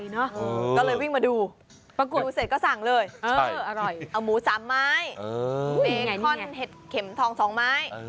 ก็เลยวิ่งมาดูประกวดเสร็จก็สั่งเลยอร่อยเอาหมู๓ไม้เบคอนเห็ดเข็มทอง๒ไม้